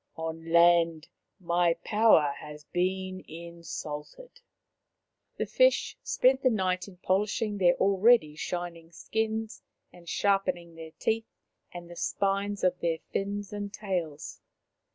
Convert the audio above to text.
On land my power has been insulted." The fish spent the night in polishing their already shining skins and sharpening their teeth and the spines of their fins and tails.